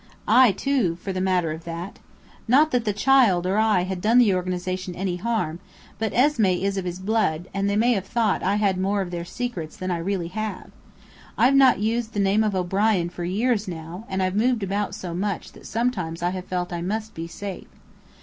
I, too, for the matter of that! Not that the child or I had done the organization any harm; but Esmé is of his blood, and they may have thought I had more of their secrets than I really have. I've not used the name of O'Brien for years now, and I've moved about so much that sometimes I have felt I must be safe.